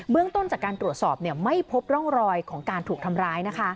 เรื่องต้นจากการตรวจสอบไม่พบร่องรอยของการถูกทำร้าย